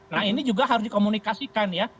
nah ini juga harus dikomunikasikan ya